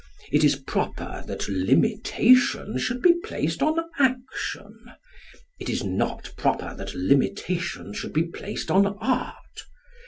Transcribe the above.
It is proper that limitation should be placed on action. It is not proper that limitation should be placed on art.